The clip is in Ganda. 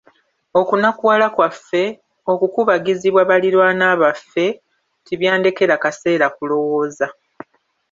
Okunakuwala kwaffe, okukubagizibwa baliraanwa baffe tibyandekera kaseera kulowooza.